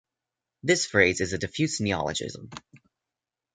This phrase is a diffuse neologism.